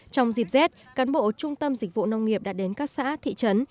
trong dịp rét cán bộ trung tâm dịch vụ nông nghiệp đã đến các xã thị trấn